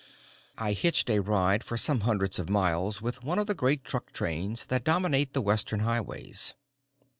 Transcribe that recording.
I hitched a ride for some hundreds of miles with one of the great truck trains that dominate the western highways.